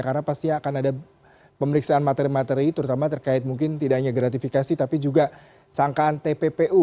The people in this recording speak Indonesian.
karena pasti akan ada pemeriksaan materi materi terutama terkait mungkin tidak hanya gratifikasi tapi juga sangkaan tppu